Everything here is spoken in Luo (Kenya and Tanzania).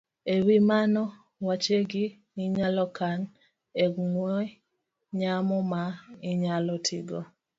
E wi mano, wechegi inyalo kan e ong'we yamo ma inyalo tigo